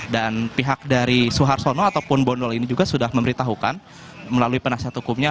dan pihak dari soeharto soeno ataupun bondol ini juga sudah memberitahukan melalui penasihat hukumnya